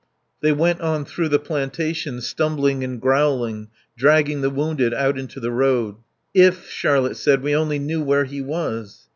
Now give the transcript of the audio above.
They went on through the plantation, stumbling and growling, dragging the wounded out into the road. "If," Charlotte said, "we only knew where he was."